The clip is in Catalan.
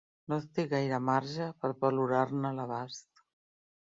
No té gaire marge per valorar-ne l'abast.